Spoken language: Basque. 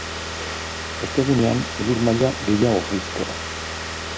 Ostegunean, elur maila gehiago jaitsiko da.